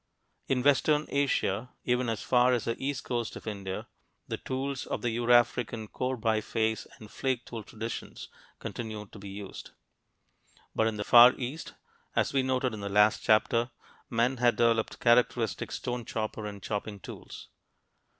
In western Asia, even as far as the east coast of India, the tools of the Eurafrican core biface and flake tool traditions continued to be used. But in the Far East, as we noted in the last chapter, men had developed characteristic stone chopper and chopping tools.